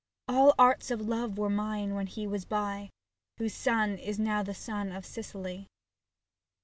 All arts of love were mine when he was by, Whose sun is now the sun of Sicily.